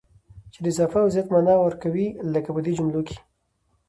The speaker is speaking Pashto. چي د اضافه او زيات مانا ور کوي، لکه په دې جملو کي: